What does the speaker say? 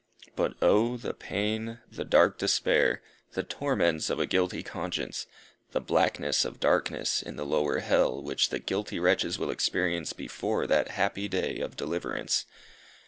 But, Oh! the pain! the dark despair! the torments of a guilty conscience! the blackness of darkness, in the lower hell, which the guilty wretches will experience before that happy day of deliverance!